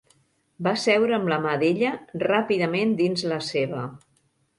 Va seure amb la mà d'ella ràpidament dins la seva.